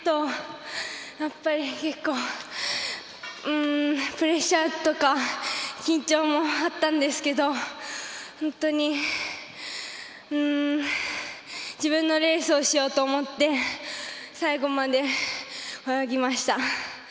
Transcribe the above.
結構、プレッシャーとか緊張もやっぱりあったんですけど自分のレースをしようと思って最後まで泳ぎました。